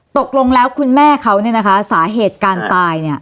ตกลงแล้วคุณแม่เขาเนี่ยนะคะสาเหตุการตายเนี่ย